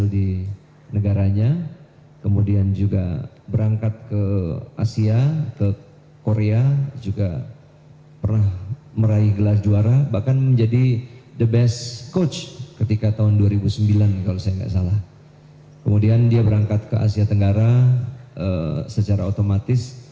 dan dia berangkat ke asia tenggara secara otomatis